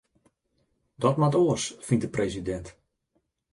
Dat moat oars, fynt de presidint.